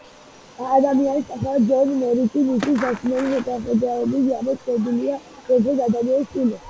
ადამიანი, სახელად ჯონ მერიკი მისი საშინელი შესახედაობის გამო ცნობილია, როგორც ადამიანი-სპილო.